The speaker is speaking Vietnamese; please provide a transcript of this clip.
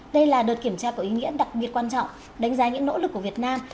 đây là đợt kiểm tra có ý nghĩa đặc biệt quan trọng đánh giá những nỗ lực của việt nam